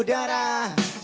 esok hari kita kembali bekerja